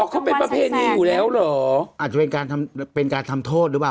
เขาเป็นประเพณีอยู่แล้วเหรออาจจะเป็นการทำเป็นการทำโทษหรือเปล่า